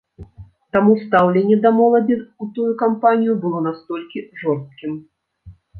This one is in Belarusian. Таму стаўленне да моладзі ў тую кампанію было настолькі жорсткім.